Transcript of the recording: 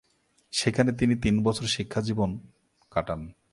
সেখানে তিনি তিন বছর শিক্ষাজীবন কাটান।